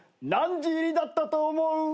何時入りだったと思う？